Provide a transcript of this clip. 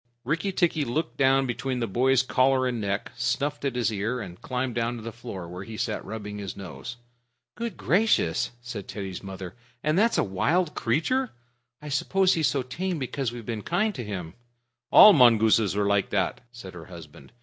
Rikki tikki looked down between the boy's collar and neck, snuffed at his ear, and climbed down to the floor, where he sat rubbing his nose. "Good gracious," said Teddy's mother, "and that's a wild creature! I suppose he's so tame because we've been kind to him." "All mongooses are like that," said her husband.